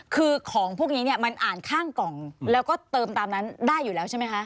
คือของพวกนี้เนี่ยมันอ่านข้างกล่องแล้วก็เติมตามนั้นได้อยู่แล้วใช่ไหมคะ